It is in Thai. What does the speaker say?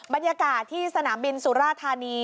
บรรยากาศที่สนามบินสุราธานี